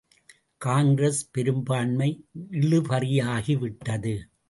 காங்கிரஸ் பெரும்பான்மை இழுபறியாகிவிட்டது.